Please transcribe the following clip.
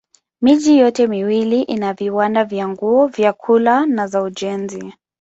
Miji yote miwili ina viwanda vya nguo, vyakula na za ujenzi.